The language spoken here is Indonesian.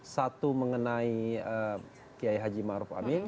satu mengenai kiai haji maruf amin